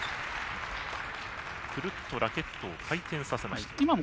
くるっとラケットを回転させました。